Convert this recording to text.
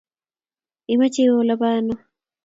Imache iwe ole paano?